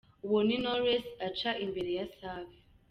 Uwo ni Knowless aca imbere ya Safi.